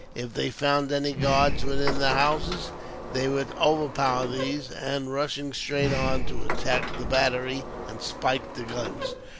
If they found any guards within the houses, they were to overpower these; and, rushing straight on, to attack the battery, and spike the guns.